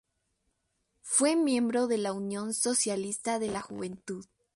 Fue miembro de la Unión Socialista de la Juventud.